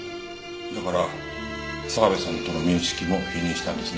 だから澤部さんとの面識も否認したんですね。